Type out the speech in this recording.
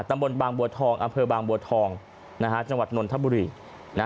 บางบัวทองอำเภอบางบัวทองนะฮะจังหวัดนนทบุรีนะฮะ